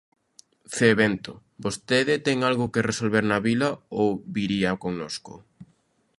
–Zé Bento, ¿vostede ten algo que resolver na vila ou viría connosco?